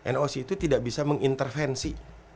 noc itu tidak bisa mengintervensi